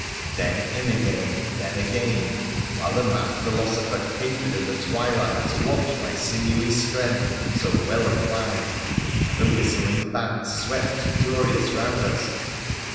Then in again, and then again, while the mad philoso pher capered in the twilight to watch my sinewy strength so well applied, and the whistling bats swept curious round us.